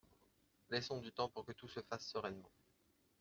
Laissons du temps pour que tout se fasse sereinement.